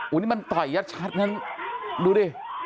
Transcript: อู้นี่มันต่อยยัดชัดนึงดูดิ